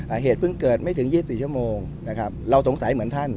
เหตุเพิ่งเกิดไม่ถึงยี่สิบสี่ชั่วโมงนะครับเราสงสัยเหมือนท่าน